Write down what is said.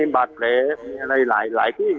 หลายพี่